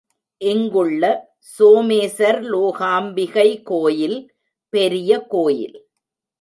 இங்குள்ள சோமேசர்லோகாம்பிகை கோயில் பெரிய கோயில்.